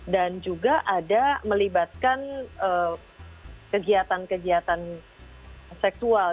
dan juga ada melibatkan kegiatan kegiatan seksual